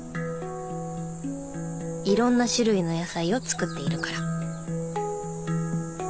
いろんな種類の野菜を作っているから。